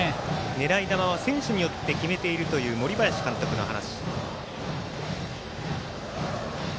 狙い球は選手によって決めているという森林監督の話。